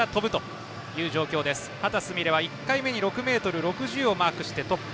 美鈴は１回目に６ｍ６０をマークしてトップ。